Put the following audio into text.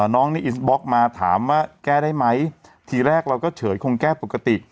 น้องนี่อินบล็อกมาถามว่าแก้ได้ไหมทีแรกเราก็เฉยคงแก้ปกติ